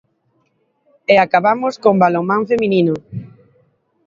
E acabamos con balonmán feminino.